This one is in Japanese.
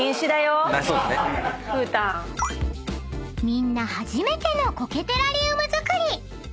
［みんな初めての苔テラリウム作り］